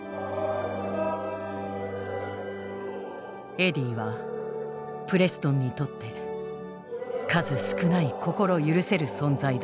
エディはプレストンにとって数少ない心許せる存在だった。